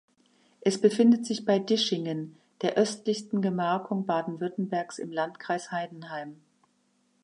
Es befindet sich bei Dischingen, der östlichsten Gemarkung Baden-Württembergs im Landkreis Heidenheim.